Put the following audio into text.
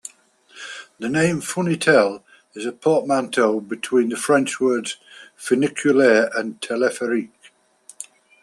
The name "funitel" is a portmanteau between the French words "funiculaire" and "telepherique".